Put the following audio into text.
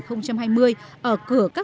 ở cửa các sông cửa